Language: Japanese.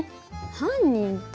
犯人って。